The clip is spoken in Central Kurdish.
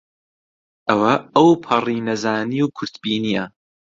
ئەوە ئەوپەڕی نەزانی و کورتبینییە